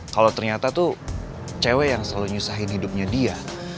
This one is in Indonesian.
kalau ternyata tuh cewek yang selalu nyusahin hidupnya dia